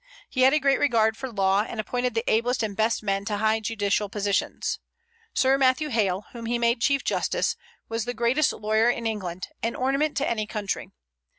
He had a great regard for law, and appointed the ablest and best men to high judicial positions. Sir Matthew Hale, whom he made chief justice, was the greatest lawyer in England, an ornament to any country.